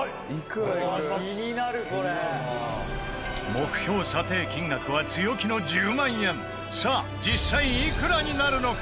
目標査定金額は強気の１０万円さあ、実際いくらになるのか？